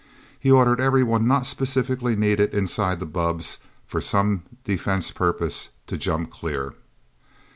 He ordered everyone not specifically needed inside the bubbs for some defense purpose to jump clear.